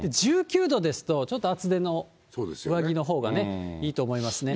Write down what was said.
１９度ですと、ちょっと厚手の上着のほうがね、いいと思いますね。